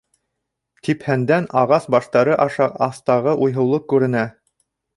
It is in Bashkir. Типһәндән ағас баштары аша аҫтағы уйһыулыҡ күренә.